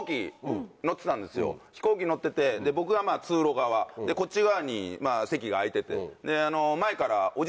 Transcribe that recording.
飛行機乗ってて僕が通路側こっち側に席が空いてて。